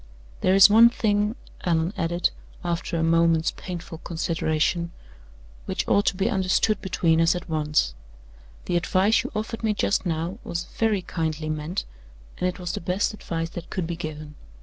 There is one thing," Allan added, after a moment's painful consideration, "which ought to be understood between us at once. The advice you offered me just now was very kindly meant, and it was the best advice that could be given.